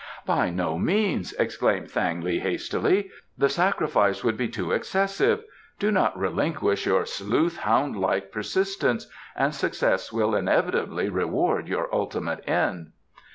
"By no means," exclaimed Thang li hastily. "The sacrifice would be too excessive. Do not relinquish your sleuth hound like persistence, and success will inevitably reward your ultimate end."